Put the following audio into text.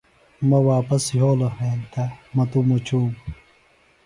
مہ واپس یھولوۡ ہینتہ مہ توۡ مُچوم